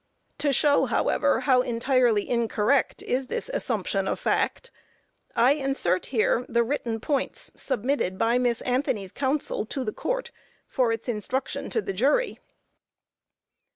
To show, however, how entirely incorrect is this assumption of fact, I insert here the written points submitted by Miss Anthony's counsel to the Court, for its instruction to the jury.